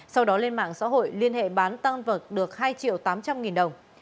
sau đó lên mạng xã hội liên hệ bán tăng vật được hai triệu tám trăm linh nghìn đồng